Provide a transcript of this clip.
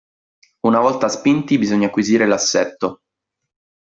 Una volta spinti bisogna acquisire l'assetto.